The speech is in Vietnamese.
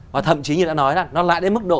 và thậm chí như đã nói là nó lại đến mức độ